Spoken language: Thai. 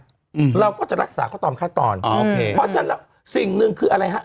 อืมเราก็จะรักษาเขาต่อมค่าตอนอ๋อโอเคเพราะฉะนั้นสิ่งหนึ่งคืออะไรฮะ